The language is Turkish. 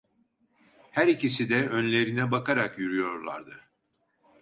Her ikisi de önlerine bakarak yürüyorlardı.